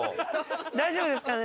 大丈夫ですかね？